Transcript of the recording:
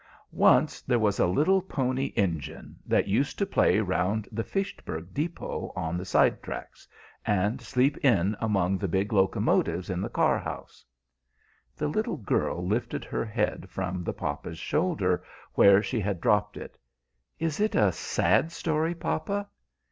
"Once there was a little Pony Engine that used to play round the Fitchburg Depot on the side tracks, and sleep in among the big locomotives in the car house " The little girl lifted her head from the papa's shoulder, where she had dropped it. "Is it a sad story, papa?"